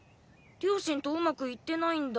両親とうまくいってないんだ？